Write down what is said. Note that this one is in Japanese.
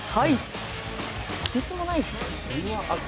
とてつもないですよね。